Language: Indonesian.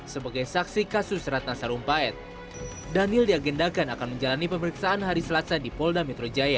sebagai saksi kasus ratna sarumpait daniel diagendakan akan menjalani pemeriksaan hari selasa di polda metro jaya